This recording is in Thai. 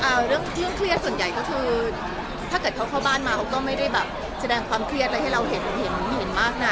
เพราะว่าเรื่องเครียดส่วนใหญ่ถ้าเข้าบ้านมาเขาไม่จะแสดงความเครียดให้เห็นมากนะ